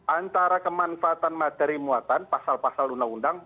antara kemanfaatan materi muatan pasal pasal undang undang